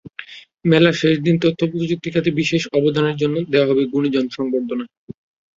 মেলার শেষ দিন তথ্যপ্রযুক্তি খাতে বিশেষ অবদানের জন্য দেওয়া হবে গুণীজন সংবর্ধনা।